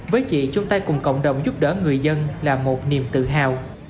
với chị chúng ta cùng cộng đồng giúp đỡ người dân là một niềm tự hào